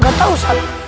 gak tau ustaz